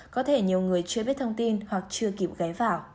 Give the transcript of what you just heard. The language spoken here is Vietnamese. có thể nhiều người chưa biết thông tin hoặc chưa kịp ghé vào